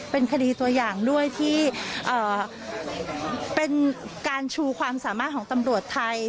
เป็นคดีตัวอย่างด้วยที่เป็นการชูความสามารถของตำรวจไทย